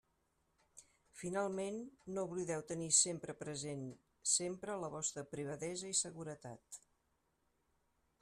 Finalment, no oblideu tenir sempre present sempre la vostra privadesa i seguretat.